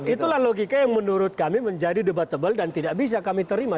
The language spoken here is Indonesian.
itulah logika yang menurut kami menjadi debatable dan tidak bisa kami terima